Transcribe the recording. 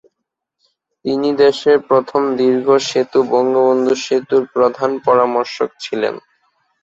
তিনি দেশের প্রথম দীর্ঘ সেতু, বঙ্গবন্ধু সেতুর প্রধান পরামর্শক ছিলেন।